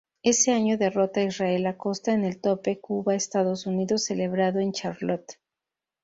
Ese año derrota a Israel Acosta en el tope Cuba-Estados Unidos celebrado en Charlotte.